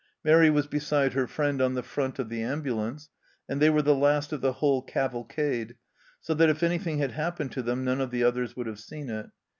Mairi was beside her friend on the front of the ambulance, and they were the last of the whole cavalcade, so that if anything had happened to them none of the others would have seen it.